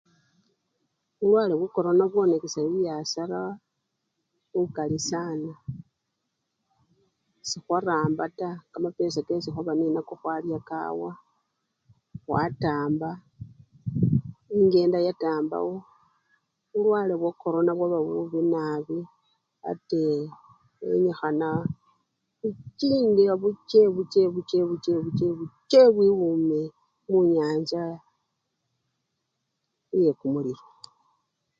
Bulwale bwa corona bwonakisha bibyasara lukali sana, sekhwaramba taa, kamapesha kesi khwaba nenako khwalya kawa, khwatamba enkenda yatambawo, bulwale bwakorona bwaba bubi nabii ate bwenikhana bwichine buche buche buche buche bwibume munyanja yekumulilo.